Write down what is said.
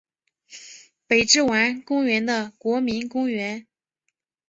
北之丸公园的国民公园。